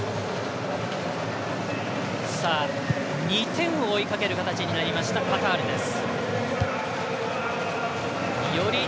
２点を追いかける形になりましたカタールです。